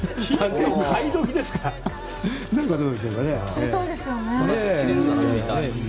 知りたいですよね。